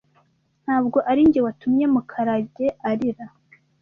Ntabwo ari njye watumye Mukarage arira.